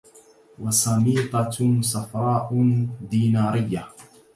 وسميطة صفراء دينارية